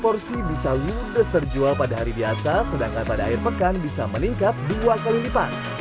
porsi bisa ludes terjual pada hari biasa sedangkan pada akhir pekan bisa meningkat dua kali lipat